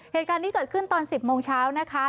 เหตุการณ์นี้เกิดขึ้นตอน๑๐โมงเช้านะคะ